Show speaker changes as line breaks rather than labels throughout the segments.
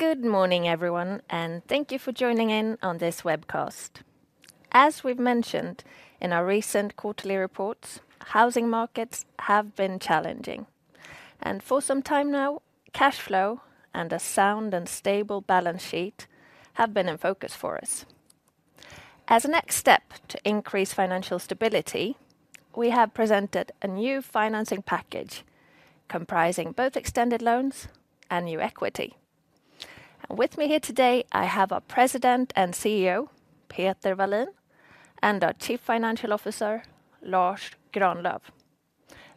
Good morning, everyone, and thank you for joining in on this webcast. As we've mentioned in our recent quarterly reports, housing markets have been challenging, and for some time now cash flow and a sound and stable balance sheet have been in focus for us. As a next step to increase financial stability, we have presented a new financing package comprising both extended loans and new equity. With me here today I have our President and CEO, Peter Wallin, and our Chief Financial Officer, Lars Granlöf.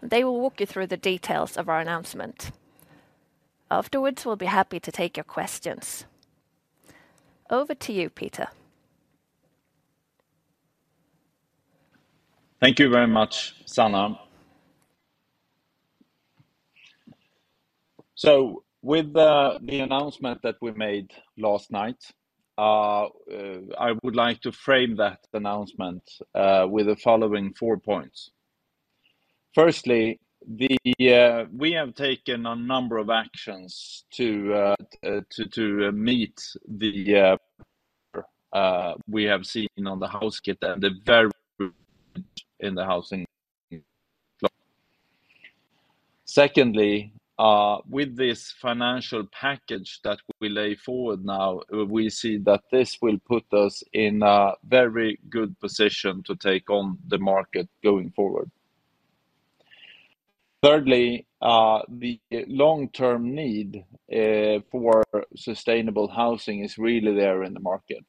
They will walk you through the details of our announcement. Afterwards we'll be happy to take your questions. Over to you, Peter.
Thank you very much, Sanna. So with the announcement that we made last night, I would like to frame that announcement with the following four points. Firstly, we have taken a number of actions to meet the challenges we have seen in the housing market and the volatility in the housing. Secondly, with this financial package that we put forward now, we see that this will put us in a very good position to take on the market going forward. Thirdly, the long-term need for sustainable housing is really there in the market,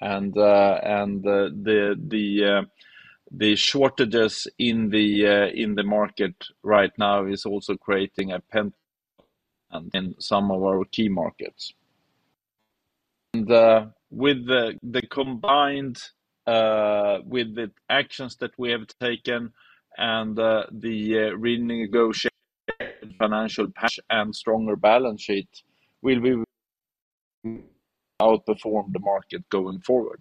and the shortages in the market right now is also creating a pent-up demand in some of our key markets. Combined with the actions that we have taken and the renegotiated financial package and stronger balance sheet, we'll outperform the market going forward.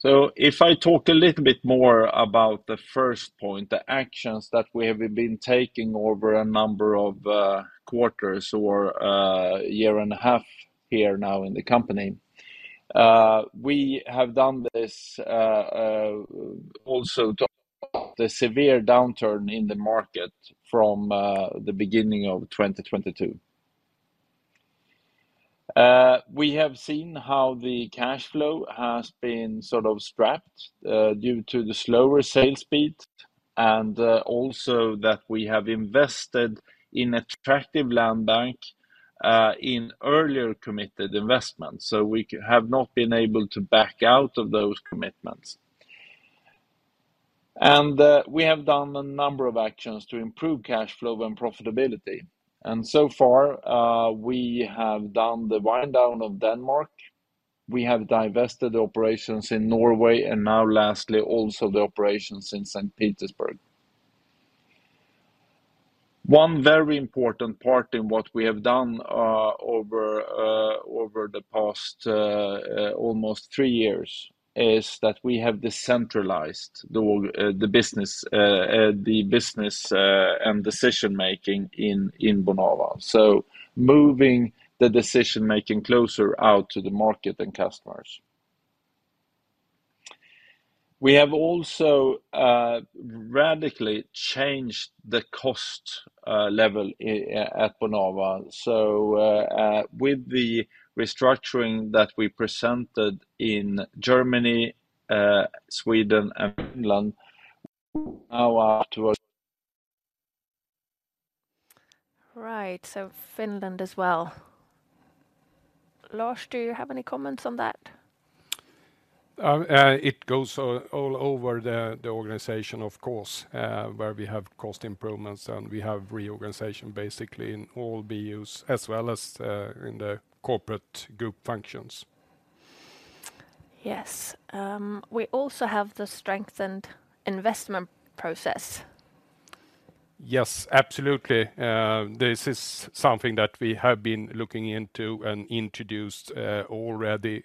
So if I talk a little bit more about the first point, the actions that we have been taking over a number of quarters or a year and a half here now in the company, we have done this also to the severe downturn in the market from the beginning of 2022. We have seen how the cash flow has been sort of strapped due to the slower sales speed and also that we have invested in attractive land bank in earlier committed investments. So we have not been able to back out of those commitments. And we have done a number of actions to improve cash flow and profitability. And so far we have done the wind down of Denmark. We have divested the operations in Norway and now lastly also the operations in St. Petersburg. One very important part in what we have done over the past almost three years is that we have decentralized the business and decision making in Bonava. So moving the decision making closer out to the market and customers. We have also radically changed the cost level at Bonava. So with the restructuring that we presented in Germany, Sweden, and Finland, now up to.
Right, so Finland as well. Lars, do you have any comments on that?
It goes all over the organization, of course, where we have cost improvements and we have reorganization basically in all BUs as well as in the corporate group functions.
Yes. We also have the strengthened investment process.
Yes, absolutely. This is something that we have been looking into and introduced already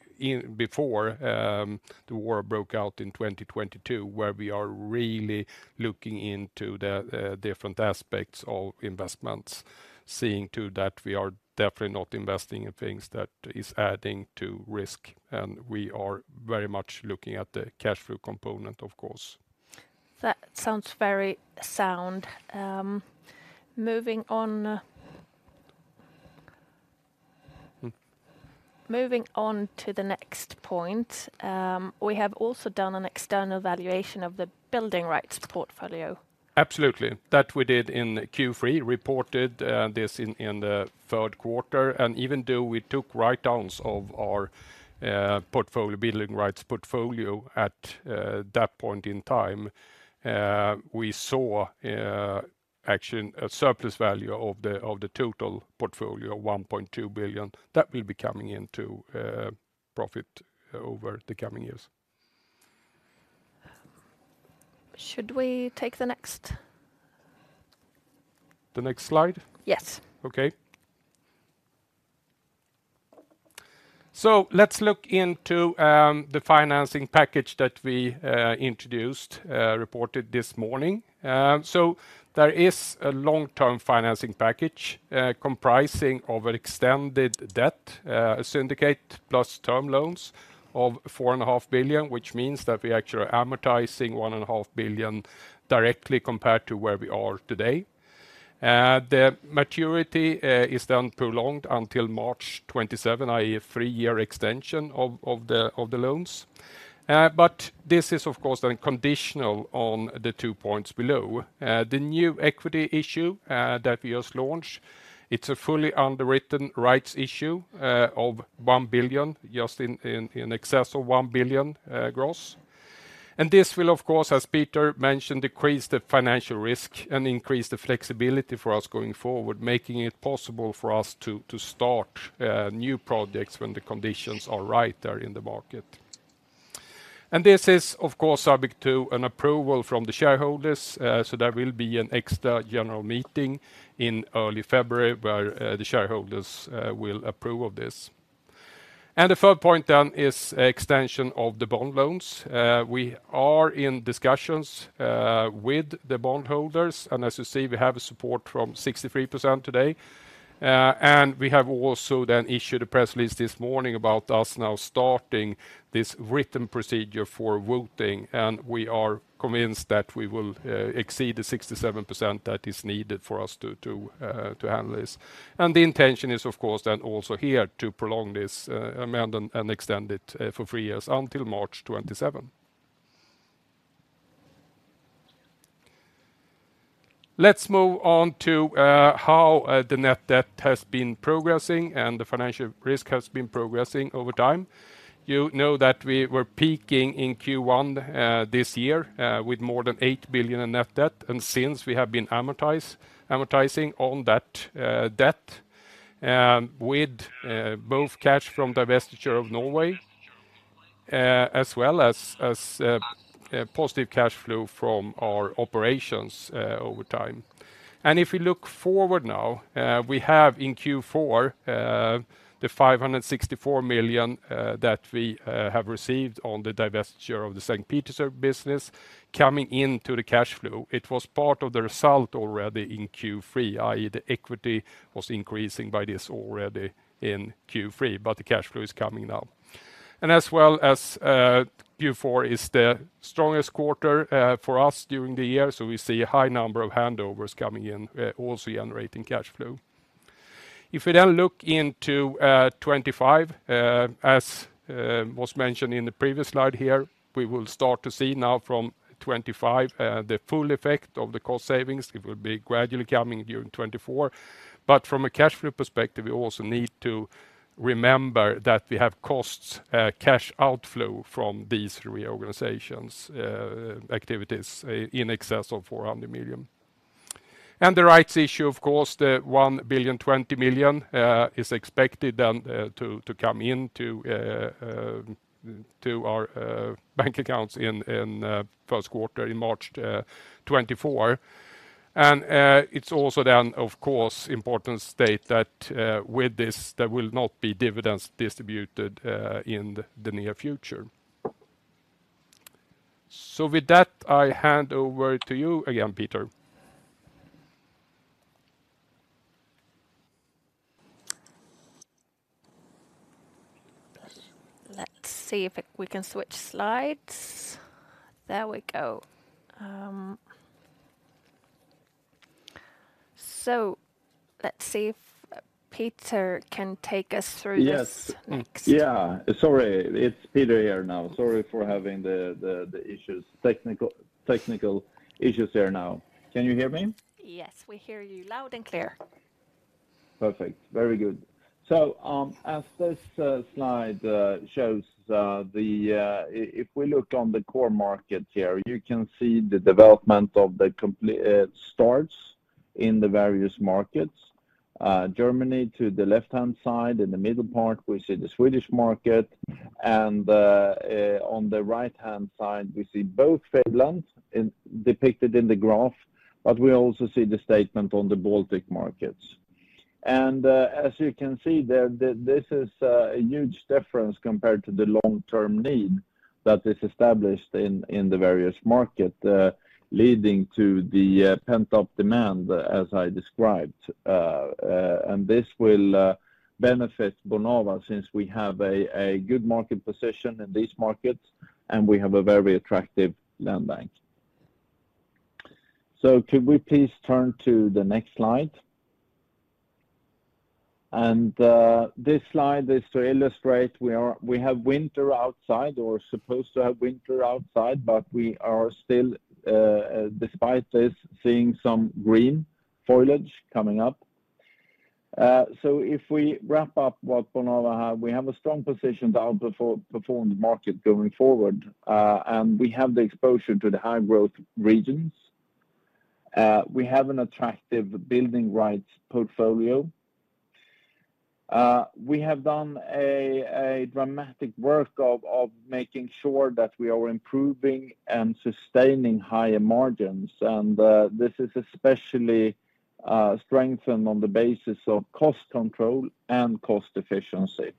before the war broke out in 2022 where we are really looking into the different aspects of investments, seeing too that we are definitely not investing in things that is adding to risk and we are very much looking at the cash flow component, of course.
That sounds very sound. Moving on to the next point, we have also done an external valuation of the building rights portfolio.
Absolutely. That we did in Q3, reported this in the third quarter and even though we took write-downs of our portfolio building rights portfolio at that point in time, we saw actually a surplus value of the total portfolio, 1.2 billion. That will be coming into profit over the coming years.
Should we take the next?
The next slide?
Yes.
Okay. So let's look into the financing package that we introduced, reported this morning. So there is a long-term financing package comprising of an extended debt, a syndicate plus term loans of 4.5 billion, which means that we actually are amortizing 1.5 billion directly compared to where we are today. The maturity is then prolonged until March 2027, i.e., a three-year extension of the loans. But this is, of course, then conditional on the two points below. The new equity issue that we just launched, it's a fully underwritten rights issue of 1 billion, just in excess of 1 billion gross. And this will, of course, as Peter mentioned, decrease the financial risk and increase the flexibility for us going forward, making it possible for us to start new projects when the conditions are right there in the market. This is, of course, subject to an approval from the shareholders. So there will be an extra general meeting in early February where the shareholders will approve of this. And the third point then is extension of the bond loans. We are in discussions with the bondholders and as you see, we have support from 63% today. And we have also then issued a press release this morning about us now starting this written procedure for voting and we are convinced that we will exceed the 67% that is needed for us to handle this. And the intention is, of course, then also here to prolong this amendment and extend it for three years until March 2027. Let's move on to how the net debt has been progressing and the financial risk has been progressing over time. You know that we were peaking in Q1 this year with more than 8 billion in net debt and since we have been amortizing on that debt with both cash from divestiture of Norway as well as positive cash flow from our operations over time. If we look forward now, we have in Q4 the 564 million that we have received on the divestiture of the St. Petersburg business coming into the cash flow. It was part of the result already in Q3, i.e., the equity was increasing by this already in Q3, but the cash flow is coming now. As well as Q4 is the strongest quarter for us during the year, so we see a high number of handovers coming in, also generating cash flow. If we then look into 2025, as was mentioned in the previous slide here, we will start to see now from 2025 the full effect of the cost savings. It will be gradually coming during 2024. But from a cash flow perspective, we also need to remember that we have costs cash outflow from these reorganizations activities in excess of 400 million. And the rights issue, of course, the 1.2 billion is expected then to come into our bank accounts in first quarter in March 2024. And it's also then, of course, important to state that with this there will not be dividends distributed in the near future. So with that, I hand over to you again, Peter.
Let's see if we can switch slides. There we go. So let's see if Peter can take us through this next.
Yes. Yeah. Sorry. It's Peter here now. Sorry for having the technical issues here now. Can you hear me?
Yes, we hear you loud and clear.
Perfect. Very good. So as this slide shows, if we look on the core market here, you can see the development of the starts in the various markets. Germany to the left-hand side, in the middle part we see the Swedish market. And on the right-hand side we see both Finland depicted in the graph, but we also see the statement on the Baltic markets. And as you can see there, this is a huge difference compared to the long-term need that is established in the various markets, leading to the pent-up demand as I described. And this will benefit Bonava since we have a good market position in these markets and we have a very attractive land bank. So could we please turn to the next slide? This slide is to illustrate we have winter outside or supposed to have winter outside, but we are still, despite this, seeing some green foliage coming up. So if we wrap up what Bonava have, we have a strong position to outperform the market going forward and we have the exposure to the high growth regions. We have an attractive building rights portfolio. We have done a dramatic work of making sure that we are improving and sustaining higher margins and this is especially strengthened on the basis of cost control and cost efficiency.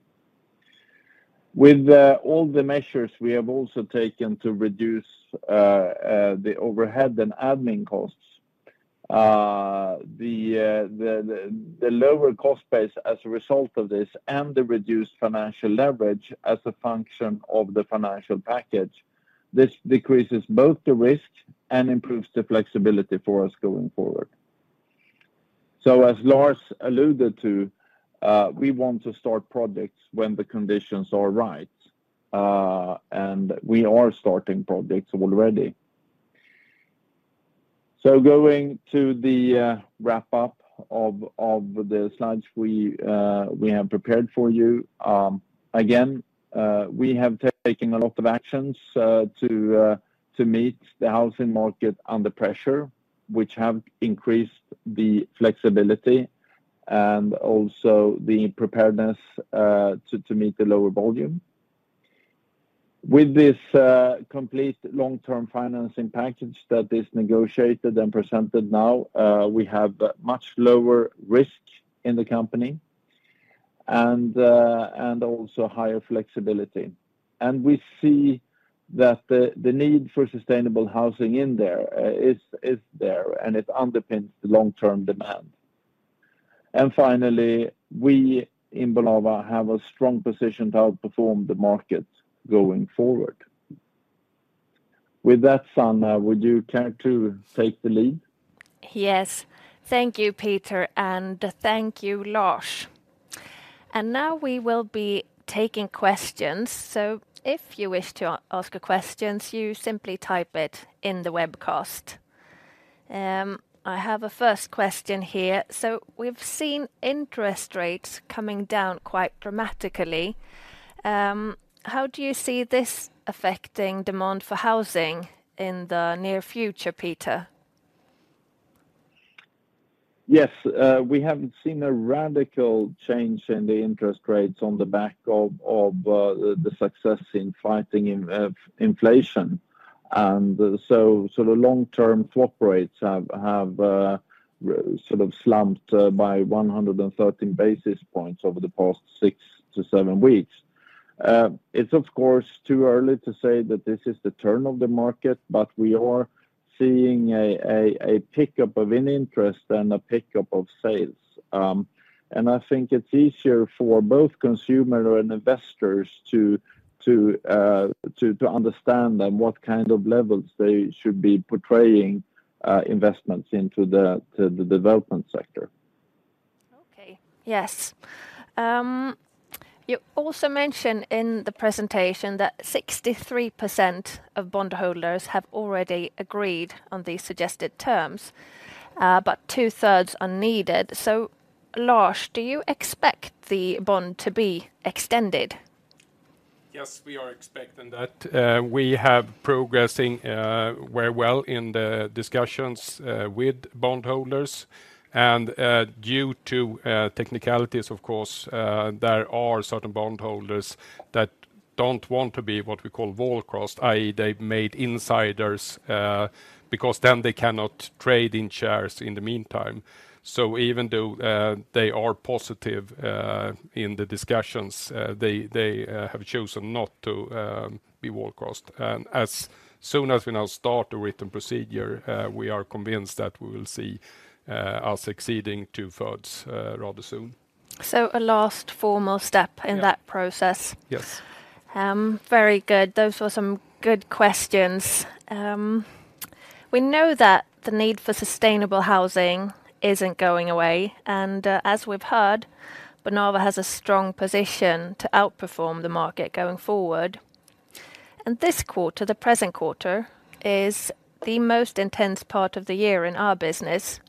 With all the measures we have also taken to reduce the overhead and admin costs, the lower cost base as a result of this and the reduced financial leverage as a function of the financial package, this decreases both the risk and improves the flexibility for us going forward. So as Lars alluded to, we want to start projects when the conditions are right and we are starting projects already. So going to the wrap up of the slides we have prepared for you, again, we have taken a lot of actions to meet the housing market under pressure, which have increased the flexibility and also the preparedness to meet the lower volume. With this complete long-term financing package that is negotiated and presented now, we have much lower risk in the company and also higher flexibility. And we see that the need for sustainable housing in there is there and it underpins the long-term demand. And finally, we in Bonava have a strong position to outperform the market going forward. With that, Sanna, would you care to take the lead?
Yes. Thank you, Peter, and thank you, Lars. Now we will be taking questions. If you wish to ask a question, you simply type it in the webcast. I have a first question here. We've seen interest rates coming down quite dramatically. How do you see this affecting demand for housing in the near future, Peter?
Yes. We haven't seen a radical change in the interest rates on the back of the success in fighting inflation. And so sort of long-term swap rates have sort of slumped by 113 basis points over the past 6-7 weeks. It's, of course, too early to say that this is the turn of the market, but we are seeing a pickup of interest and a pickup of sales. I think it's easier for both consumer and investors to understand then what kind of levels they should be portraying investments into the development sector.
Okay. Yes. You also mentioned in the presentation that 63% of bondholders have already agreed on these suggested terms, but two-thirds are needed. So Lars, do you expect the bond to be extended?
Yes, we are expecting that. We have progressing very well in the discussions with bondholders. And due to technicalities, of course, there are certain bondholders that don't want to be what we call wall-crossed, i.e., they've made insiders because then they cannot trade in shares in the meantime. So even though they are positive in the discussions, they have chosen not to be wall-crossed. And as soon as we now start the written procedure, we are convinced that we will see us exceeding two-thirds rather soon.
So a last formal step in that process?
Yes.
Very good. Those were some good questions. We know that the need for sustainable housing isn't going away and as we've heard, Bonava has a strong position to outperform the market going forward. This quarter, the present quarter, is the most intense part of the year in our business.